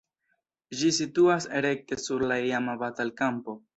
Ĝi situas rekte sur la iama batalkampo.